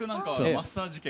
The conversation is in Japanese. マッサージ券？